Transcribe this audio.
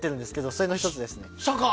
それの１つです。